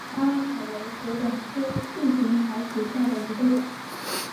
巴拉草为禾本科臂形草属下的一个种。